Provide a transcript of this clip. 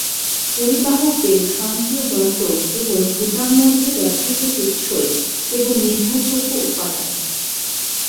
পরিবাহক বেল্ট স্বয়ংক্রিয় বণ্টন এবং গুদাম মধ্যে ব্যবহৃত টেকসই এবং নির্ভরযোগ্য উপাদান।